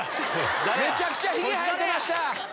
めちゃくちゃヒゲ生えてました。